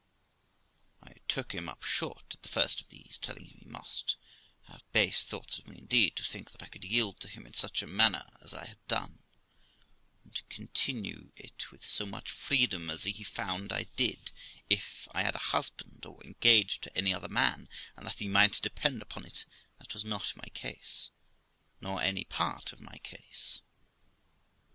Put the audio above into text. I took him up short at the first of these, telling him he must have base thoughts of me, indeed, to think that I could yield to him in such a manner as I had done, and continue it with so much freedom as he found I did, if I had a husband or were engaged to any other man; and that he might depend upon it, that was not my case, nor any part of my case.